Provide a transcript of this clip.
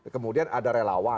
kemudian ada relawan